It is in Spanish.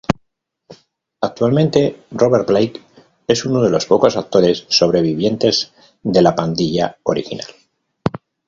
Actualmente, Robert Blake es uno de los pocos actores sobrevivientes de "La Pandilla" original.